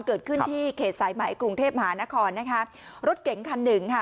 เกิดขึ้นที่เขตสายใหม่กรุงเทพมหานครนะคะรถเก๋งคันหนึ่งค่ะ